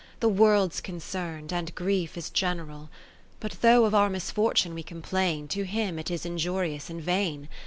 The World 's concern'd, and grief is general. But though of our misfortune we complain, To him it is injurious and vain.